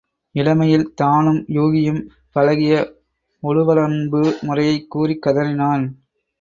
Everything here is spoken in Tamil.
இளமையில் தானும் யூகியும் பழகிய உழுவலன்பு முறையைக் கூறிக் கதறினான்.